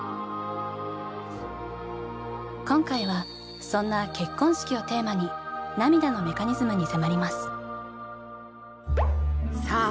今回はそんな結婚式をテーマに「涙」のメカニズムに迫ります。